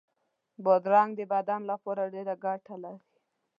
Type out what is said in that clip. بادرنګ د بدن لپاره ډېره ګټه لري.